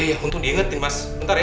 oh iya untung diingetin mas ntar ya